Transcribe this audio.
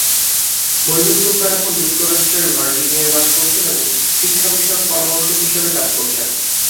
মঈনুস সুলতান এখন যুক্তরাষ্ট্রের ভার্জিনিয়ায় বাস করছেন এবং শিক্ষাবিষয়ক পরামর্শক হিসেবে কাজ করছেন।